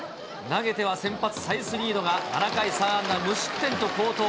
投げては先発、サイスニードが７回３安打無失点と好投。